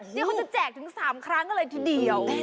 เดี๋ยวเขาจะแจกถึง๓ครั้งเลยทีเดียว